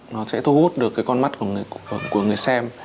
nó sẽ thu hút được cái con mắt của người xem